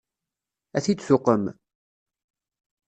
Ad t-id-tuqem?